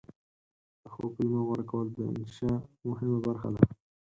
د ښو کلمو غوره کول د انشأ مهمه برخه ده.